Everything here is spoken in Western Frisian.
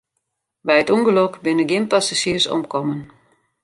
By it ûngelok binne gjin passazjiers omkommen.